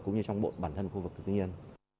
cũng như trong bộ bản thân khu vực tư nhiên